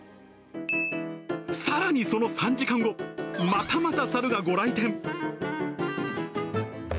さらにその３時間後、またまた猿がご来店。